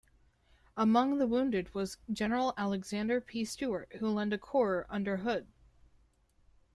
Among the wounded was general Alexander P. Stewart, who led a corps under Hood.